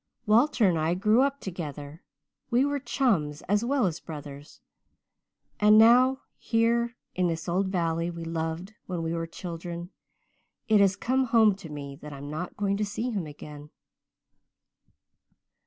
Walter and I grew up together we were chums as well as brothers and now here, in this old valley we loved when we were children, it has come home to me that I'm not to see him again.'